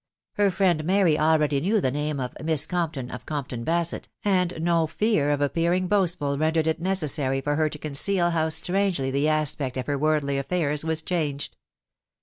Her friend Mary already knew the name of <c Miss Compton, of Compton Basett," and no fear of appearing boast ful rendered it necessary for her to conceal how strangely the aspect of her worldly affairs was changed.